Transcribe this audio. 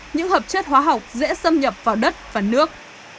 những hợp chất hóa học dễ xâm nhập vào đất và nước